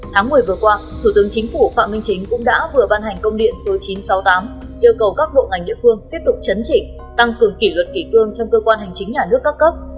tháng một mươi vừa qua thủ tướng chính phủ phạm minh chính cũng đã vừa ban hành công điện số chín trăm sáu mươi tám yêu cầu các bộ ngành địa phương tiếp tục chấn chỉnh tăng cường kỷ luật kỷ cương trong cơ quan hành chính nhà nước các cấp